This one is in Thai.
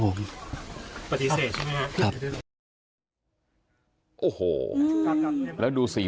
นอนอยู่ห้องนี้เดียว